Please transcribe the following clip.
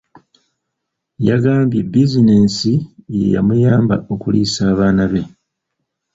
Yagambye bizinensi yeyamuyamba okuliisa abaana be.